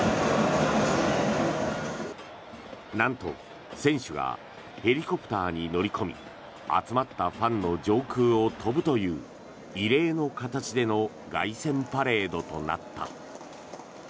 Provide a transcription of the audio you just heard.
なんと、選手がヘリコプターに乗り込み集まったファンの上空を飛ぶという異例の形での凱旋パレードとなった。